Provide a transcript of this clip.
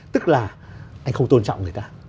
tức là anh không tôn trọng người ta